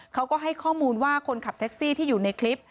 เขาก็ให้ข้อมูลว่าคนขับแท็กซี่ที่อยู่ในคลิป